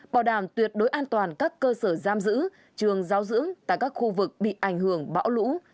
bảo đảm tuyệt đối an toàn các cơ sở giam giữ trường giáo dưỡng tại các khu vực bị ảnh hưởng bão lũ